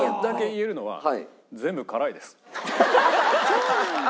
「えっそうなんだ」